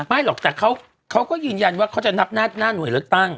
หรอกแต่เขาก็ยืนยันว่าเขาจะนับหน้าหน่วยเลือกตั้ง